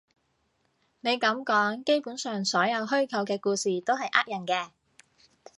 你噉講，基本上所有虛構嘅故事都係呃人嘅